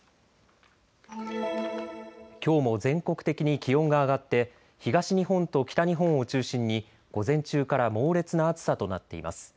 きょうも全国的に気温が上がって東日本と北日本を中心に午前中から猛烈な暑さとなっています。